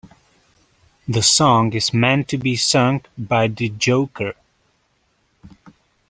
The song is meant to be sung by The Joker.